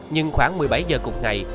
nhưng khoảng một mươi bảy h cục này